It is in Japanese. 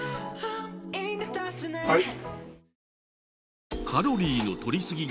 はい。